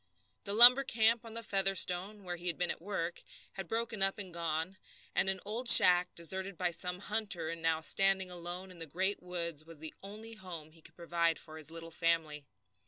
The lumber camp on the Featherstone, where he had been at work, had broken up and gone, and an old shack, deserted by some hunter, and now standing alone in the great woods, was the only home he could provide for his little family.